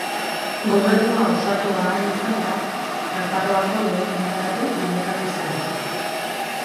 Gobernua osatu ahal izanda, Nafarroako lehen lehendakari bilakatu zen.